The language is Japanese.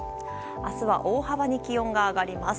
明日は大幅に気温が上がります。